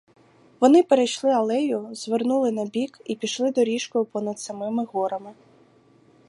Вони перейшли алею, звернули набік і пішли доріжкою понад самими горами.